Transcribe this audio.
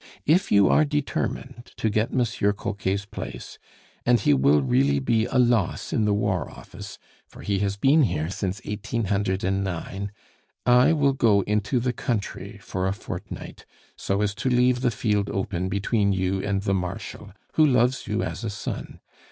If you are determined to get Monsieur Coquet's place, and he will really be a loss in the War Office, for he has been here since 1809, I will go into the country for a fortnight, so as to leave the field open between you and the Marshal, who loves you as a son.